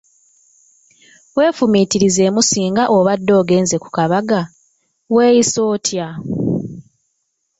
Weefumiitirizeemu singa obadde ogenze ku kabaga, weeyisa otya?